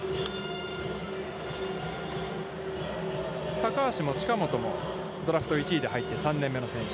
高橋も近本もドラフト１位で入って３年目の選手。